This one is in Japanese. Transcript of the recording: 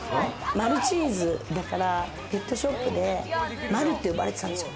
マルチーズだから、ペットショップでマルって呼ばれてたんですよ。